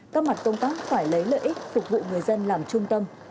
các mặt công tác phải lấy lợi ích phục vụ người dân làm trung tâm